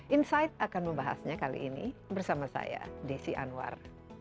insight akan membahasnya kali ini bersama saya desi anwar